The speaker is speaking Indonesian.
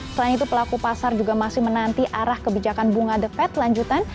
selain itu pelaku pasar juga masih menanti arah kebijakan bunga the fed lanjutan